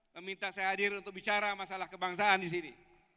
meminta saya hadir untuk bicara masalah kebangsaan di sini